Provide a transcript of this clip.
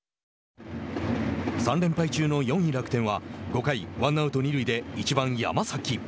３連敗中の４位楽天は５回ワンアウト、二塁で１番山崎。